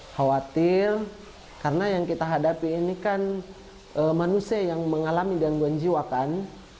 khawatir karena yang kita hadapi ini kan manusia yang mengalami gangguan jiwa kan